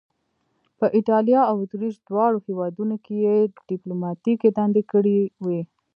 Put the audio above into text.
په ایټالیا او اتریش دواړو هیوادونو کې یې دیپلوماتیکې دندې کړې وې.